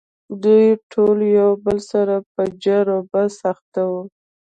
دوی ټول یو له بل سره په جر و بحث اخته وو.